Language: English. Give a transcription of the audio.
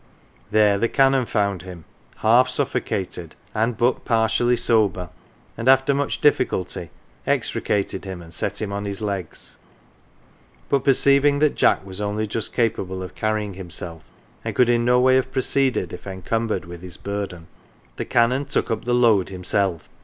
There the Canon found him, half suffocated and but partially sober, and after much difficulty extricated him and set him on his legs. But perceiving that Jack was only just capable of carrying himself, and could in no way have proceeded if encum bered with his burden, the Canon took up the load him self.